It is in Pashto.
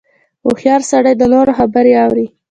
• هوښیار سړی د نورو خبرې اوري.